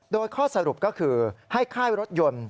โดยข้อสรุปก็คือให้ค่ายรถยนต์